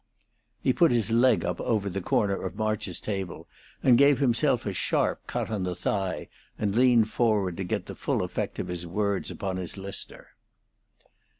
He put his leg up over the corner of March's table and gave himself a sharp cut on the thigh, and leaned forward to get the full effect of his words upon his listener.